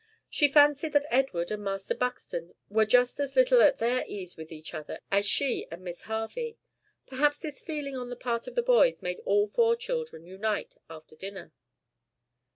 She fancied that Edward and Master Buxton were just as little at their ease with each other as she and Miss Harvey. Perhaps this feeling on the part of the boys made all four children unite after dinner.